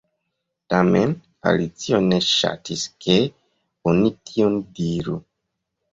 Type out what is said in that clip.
Tamen Alicio ne ŝatis ke oni tion diru.